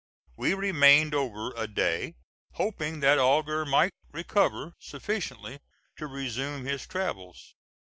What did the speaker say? We remained over a day, hoping that Augur might recover sufficiently to resume his travels.